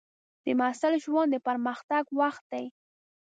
د محصل ژوند د پرمختګ وخت دی.